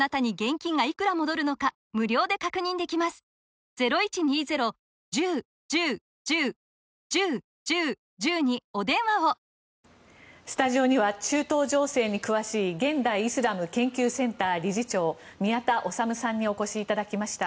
実はイスラエルは長年このデイフ司令官の命をスタジオには中東情勢に詳しい現代イスラム研究センター理事長宮田律さんにお越しいただきました。